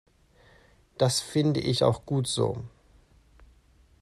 Das finde ich auch gut so.